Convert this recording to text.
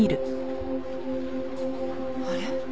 あれ？